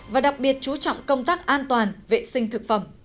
và đặc biệt chú trọng công tác an toàn vệ sinh thực phẩm